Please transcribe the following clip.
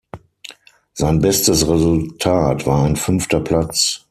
Sein bestes Resultat war ein fünfter Platz.